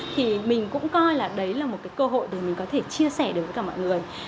thì mình cũng coi là đấy là một cái cơ hội để mình có thể chia sẻ được với cả mọi người